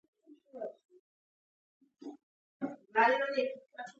ده ورته وویل چې ستا ولور بتکۍ غواړي.